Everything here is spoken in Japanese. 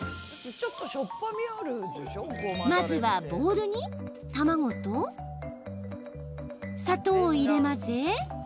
まずはボウルに卵と砂糖を入れ混ぜ